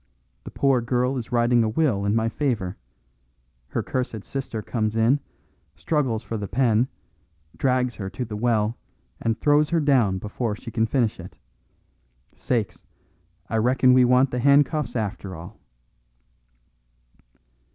The poor girl is writing a will in my favour; her cursed sister comes in, struggles for the pen, drags her to the well, and throws her down before she can finish it. Sakes! I reckon we want the handcuffs after all."